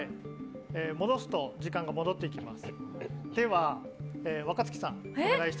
戻すと時間が戻ってきます。